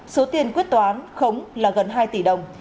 số tiền quyết toán khống là gần hai tỷ đồng